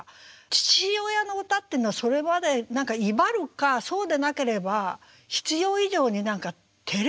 父親の歌っていうのはそれまで威張るかそうでなければ必要以上に何かてれくさくなっちゃうみたいなね。